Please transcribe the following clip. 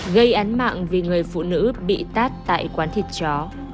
gây án mạng vì người phụ nữ bị tát tại quán thịt chó